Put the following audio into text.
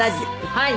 はい。